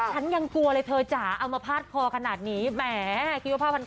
ฉันยังกลัวเลยเธอจ๋าเอามาพาดคอขนาดนี้แหมคิดว่าภาพมัน